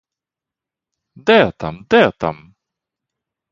Де там, де там!